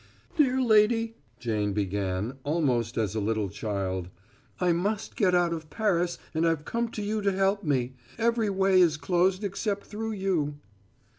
"Dear lady," Jane began, almost as a little child, "I must get out of Paris, and I've come to you to help me. Every way is closed except through you."